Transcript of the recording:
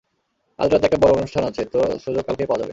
আজ রাতে একটা বড়ো অনুষ্ঠান আছে, তো সুযোগ কালকেই পাওয়া যাবে।